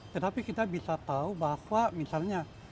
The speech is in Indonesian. tetapi kita bisa tahu bahwa misalnya